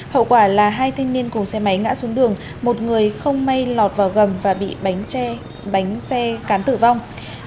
hai thanh niên cùng xe máy ngã xuống đường một người không may lọt vào gầm và bị bánh xe cán tử vong